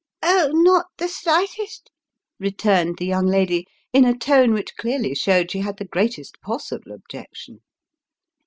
" Oh ! not the slightest," returned the young lady, in a tone which clearly showed she had the greatest possible objection.